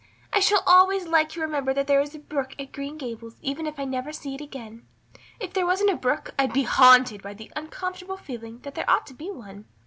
I shall always like to remember that there is a brook at Green Gables even if I never see it again. If there wasn't a brook I'd be haunted by the uncomfortable feeling that there ought to be one.